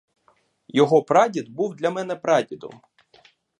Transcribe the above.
Його прадід був для мене прадідом.